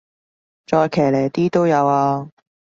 再騎呢啲都有啊